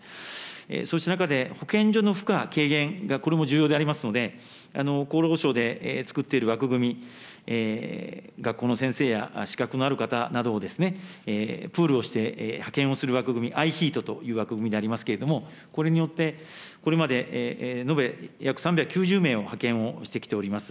そうした中で、保健所の負荷軽減が、これも重要でありますので、厚労省で作っている枠組み、学校の先生や資格のある方などをプールをして派遣をする枠組み、アイヒートという枠組みでありますけれども、これによってこれまで延べ、約３９０名を派遣をしてきております。